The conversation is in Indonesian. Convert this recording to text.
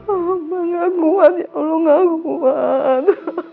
amba ngakuat ya allah ngakuat